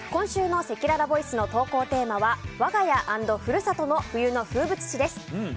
今週のせきららボイスの投稿テーマは我が家＆ふるさとの“冬の風物詩”です。